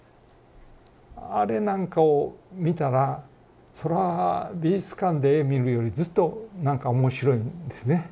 あれなんかを見たらそらぁ美術館で絵見るよりずっとなんか面白いんですね。